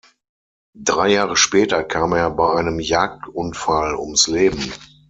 Drei Jahre später kam er bei einem Jagdunfall ums Leben.